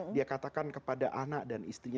dia katakan kepada anak dan istrinya